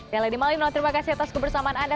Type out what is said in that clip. dan lady malin terima kasih atas kebersamaan anda